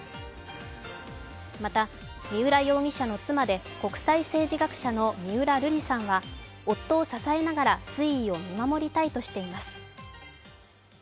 また、三浦容疑者の妻で国際政治学者の三浦瑠麗さんは夫を支えながら推移を見守りたいとしています。